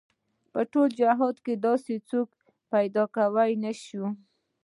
په ټول جهاد کې داسې څوک پيدا نه شو.